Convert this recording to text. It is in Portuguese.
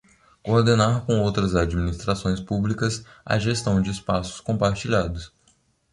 Coordenar com outras administrações públicas a gestão de espaços compartilhados.